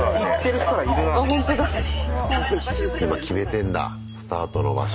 今決めてんだスタートの場所。